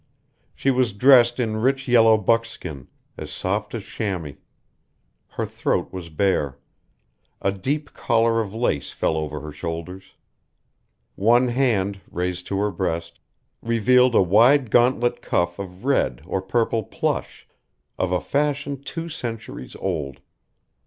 She was dressed in rich yellow buckskin, as soft as chamois. Her throat was bare. A deep collar of lace fell over her shoulders. One hand, raised to her breast, revealed a wide gauntlet cuff of red or purple plush, of a fashion two centuries old.